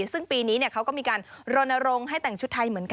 ซึ่งปีนี้เขาก็มีการรณรงค์ให้แต่งชุดไทยเหมือนกัน